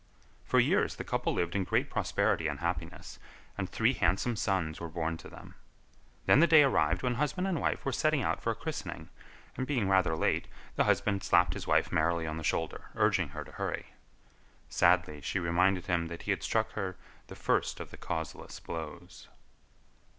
For years the couple lived in great prosperity and happiness, and three handsome sons were born to them; then the day arrived when husband and wife were setting out for a christening, and, being rather late, the husband slapped his wife merrily on the shoulder, urging her to hurry. Sadly she reminded him that he had struck her the first of the causeless blows.